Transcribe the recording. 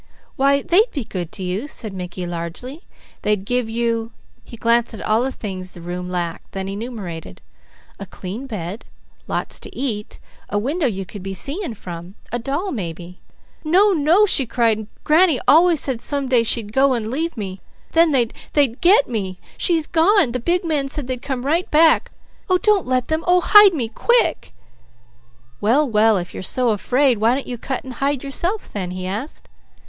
"Why they'd be good to you," said Mickey largely. "They'd give you" he glanced at all the things the room lacked, then enumerated "a clean bed, lots to eat, a window you could be seeing from, a doll, maybe." "No! No!" she cried. "Granny always said some day she'd go and leave me; then they'd 'get' me. She's gone! The big man said they'd come right back. Oh don't let them! Oh hide me quick!" "Well well ! If you're so afraid, why don't you cut and hide yourself then?" he asked.